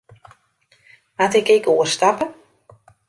Moat ik ek oerstappe?